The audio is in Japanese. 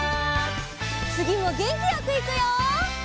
つぎもげんきよくいくよ！